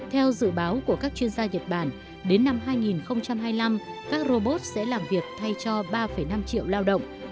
theo dự báo của các chuyên gia nhật bản đến năm hai nghìn hai mươi năm các robot sẽ làm việc thay cho ba năm triệu lao động